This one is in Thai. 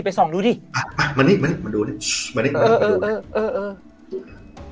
ส่องดูดิอ่ะมานี่มาดูนี่มานี่เออเออเออเออ